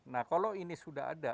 nah kalau ini sudah ada